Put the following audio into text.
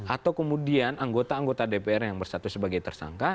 atau kemudian anggota anggota dpr yang bersatu sebagai tersangka